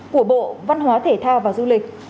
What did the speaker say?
của bộ văn hóa thể thao và du lịch